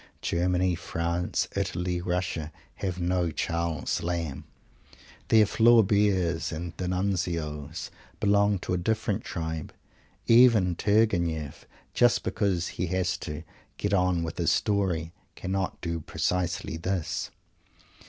Germany, France, Italy, Russia have no Charles Lamb. Their Flauberts and D'Annunzios belong to a different tribe. Even Turgenieff, just because he has to "get on with his story" cannot do precisely this.